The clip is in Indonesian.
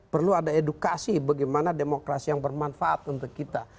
perlu ada edukasi bagaimana demokrasi yang bermanfaat untuk kita